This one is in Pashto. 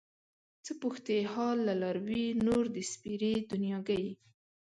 څه پوښتې حال له لاروي نور د سپېرې دنياګۍ